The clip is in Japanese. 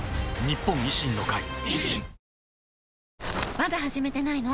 まだ始めてないの？